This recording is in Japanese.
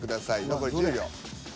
残り１０秒。